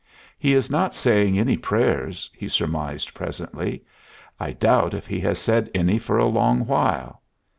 "He is not saying any prayers," he surmised, presently. "I doubt if he has said any for a long while.